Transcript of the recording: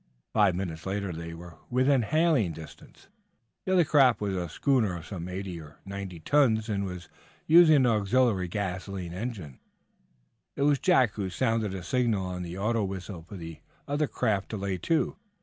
Five minutes later they were within hailing distance. The other craft was a schooner of some eighty or ninety tons, and was using an auxiliary gasoline engine. It was Jack who sounded a signal on the auto whistle for the other craft to lay to.